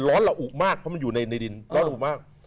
ร้อนเหล่าอุบมากเพราะมันอยู่ในในดินร้อนเหล่าอุบมาก